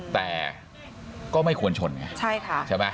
แต่ก็ไม่ควรชนไงใช่ค่ะใช่ไหม